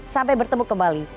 sampai bertemu kembali